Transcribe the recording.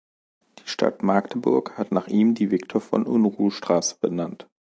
Die Stadt Magdeburg hat nach ihm die Viktor-von-Unruh-Straße benannt.